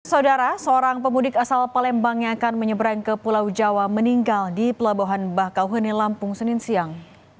saudara seorang pemudik asal palembang yang akan menyeberang ke pulau jawa meninggal di pelabuhan bakauheni lampung senin siang